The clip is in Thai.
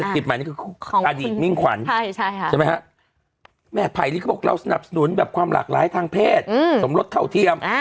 ไพนี่ก็บอกเราสนับสนุนแบบความหลากร้ายทางเพศสมรสชาวเทียม